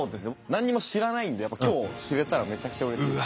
何にも知らないんでやっぱ今日知れたらめちゃくちゃうれしいです。